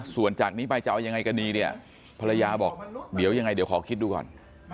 ส่วนจากนี้ไปจะเอายังไงกันดีเนี่ยภรรยาบอกเดี๋ยวยังไงเดี๋ยวขอคิดดูก่อน